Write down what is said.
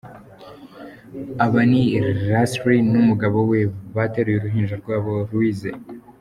Aba ni Lasley n'umugabo we bateruye uruhinja rwabo Louise.